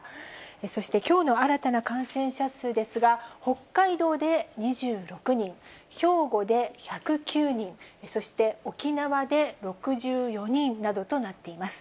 そしてきょうの新たな感染者数ですが、北海道で２６人、兵庫で１０９人、そして沖縄で６４人などとなっています。